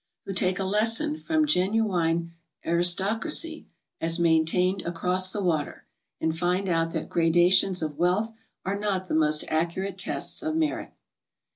Who take a lesson from genuine aristocracy as maintained across the water, and find out that gradations of wealth are not the most accurate tests o«f merit.